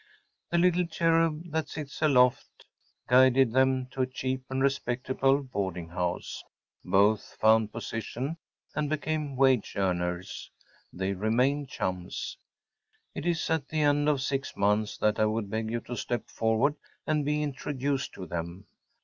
The little cherub that sits up aloft guided them to a cheap and respectable boarding house. Both found positions and became wage earners. They remained chums. It is at the end of six months that I would beg you to step forward and be introduced to them.